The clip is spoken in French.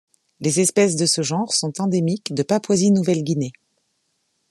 Les espèces de ce genre sont endémiques de Papouasie-Nouvelle-Guinée.